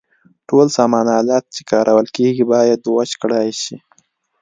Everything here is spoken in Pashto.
ټول سامان آلات چې کارول کیږي باید وچ کړای شي.